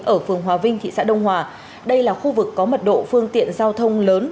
ở phường hòa vinh thị xã đông hòa đây là khu vực có mật độ phương tiện giao thông lớn